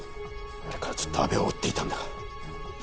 あれからずっと阿部を追っていたんだが。